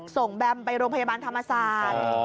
แบมไปโรงพยาบาลธรรมศาสตร์